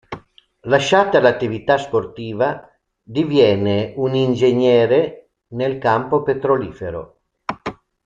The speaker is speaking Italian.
Lasciata l'attività sportiva, diviene un ingegnere nel campo petrolifero.